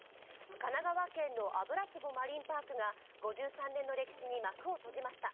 神奈川の油壺マリンパークが５３年の歴史に幕を閉じました。